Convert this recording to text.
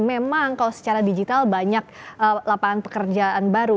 memang kalau secara digital banyak lapangan pekerjaan baru